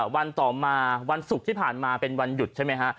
วันต่อมาวันศุกร์ที่ผ่านมาเป็นวันหยุดใช่ไหมฮะ